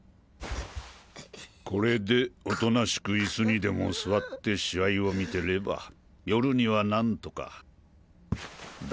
これでおとなしくイスにでも座って試合を観てれば夜には何とかだ。